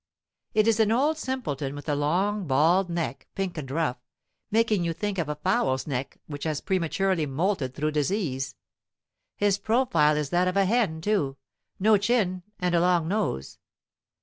It is an old simpleton with a long bald neck, pink and rough, making you think of a fowl's neck which has prematurely molted through disease. His profile is that of a hen, too no chin and a long nose.